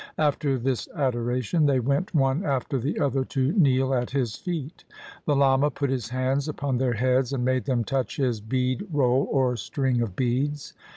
After this adoration, they went one after the other to kneel at his feet. The lama put his hands upon their heads and made them touch his bead roll, or string of beads.